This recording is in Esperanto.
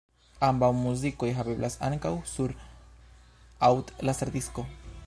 Ambaŭ muzikoj haveblas ankaŭ sur aŭd-laserdisko.